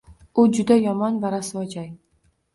U juda yomon va rasvo joy.